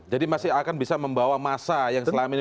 jadi masih akan bisa membawa masa yang selama ini